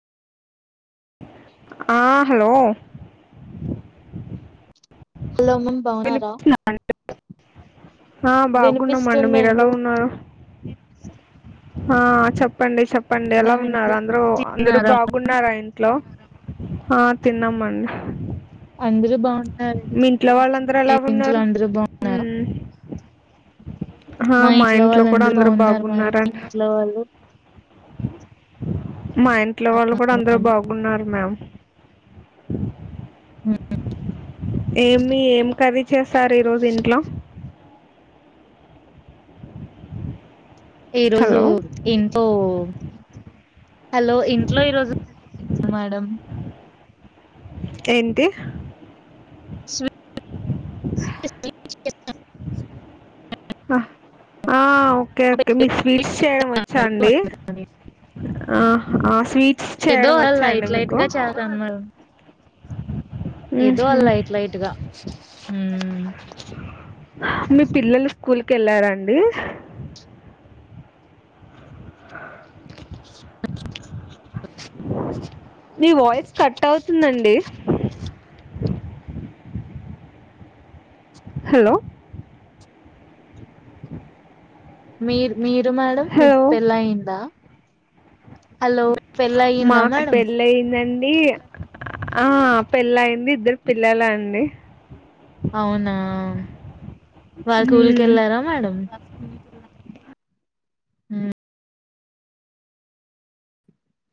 ఆ hello hello ma'am బాగున్నారా వినిపిస్తుందా? ఆ బాగున్నామండి మీరు ఎలా వినిపిస్తుందండి ఉన్నారు ఆ చెప్పండి ఆ పండేలా అవునండి ఉన్నారు అందరు అందరు తిన్నారా? బాగున్నార ఇట్లో ఆ తిన్నామండి అందరూ బాగున్నారు మీ ఇంట్లో వాళ్ళందరూ ఎలా ఇంట్లో ఉన్నారు అందరూ బాగున్నారు ఉమ్ ఆ మా ఇంట్లో వాళ్ళు కూడా అందరు అందరూ బాగున్నారు మేడం మీ బాగున్నారండి ఇంట్లో వాళ్ళు మా ఇంట్లో వాళ్ళు కూడా అందరు బాగున్నారు మ్యామ్ ఏమి ఏం కర్రీ చేస్తారు ఈరోజు ఇంట్లో ఈరోజు హలో ఇంట్లో హలో ఇంట్లో ఈరోజు మేడం ఏంటి [unintelligible] [inaudible] చేయిస్తా ఆ ఆ ఓకే చేస్తున్నారు. ఓకే మీకు స్వీట్స్ చేయడం వచ్చాండి స్వీట్స్ ఆ ఏదో చేయడం అలా వచ్చాండి లైట్ లైట్ మీకు గా చేశాను మేడం ఏదో అ ఉహు లైట్ లైట్గా ఉమ్ మీ పిల్లలు స్కూల్ కి వెళ్ళారండి మీ వాయిస్ కట్ అవుతుందండి హలో [inaudible] మీరు మీరు మేడం మీకు హలో పెళ్లయిందా పెళ్ళయిందా మాకు మేడం పెళ్ళి అయిందం ఈ ఆ పెళ్ళయింది ఇద్దరు పిల్లల అండి అవునా వాళ్ళు స్కూల్ ఉమ్ కెళ్ళారా మేడం మ్మ్